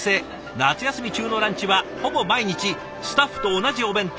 夏休み中のランチはほぼ毎日スタッフと同じお弁当。